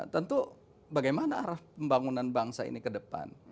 tentu bagaimana arah pembangunan bangsa ini ke depan